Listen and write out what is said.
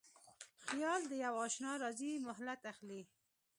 خیال د یواشنا راځی مهلت اخلي